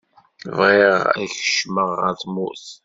bɣiɣ ad kecmaɣ ɣer tmurt.